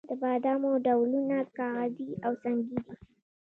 د بادامو ډولونه کاغذي او سنګي دي.